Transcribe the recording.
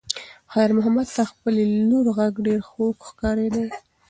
خیر محمد ته د خپلې لور غږ ډېر خوږ ښکارېده.